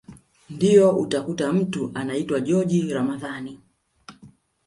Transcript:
Ndio utakuta mtu anaitwa joji Ramadhani